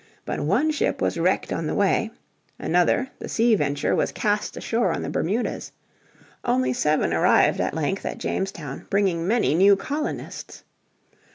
But one ship was wrecked on the way, another, the Sea Venture, was cast ashore on the Bermudas; only seven arrived at length at Jamestown, bringing many new colonists.